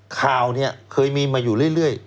ข่าวเนี่ยเคยมีมาอยู่เรื่อย